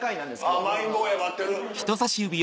あぁマイン坊や待ってる。